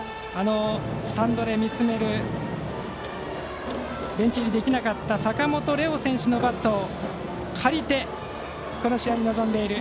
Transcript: スタンドで見つめるベンチ入りできなかったさかもとれお選手のバットを借りてこの試合に臨んでいます。